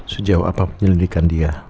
sejauh apa penyelidikan dia